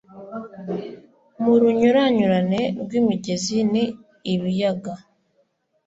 mu runyuranyurane rw’imigezi ni ibiyaga.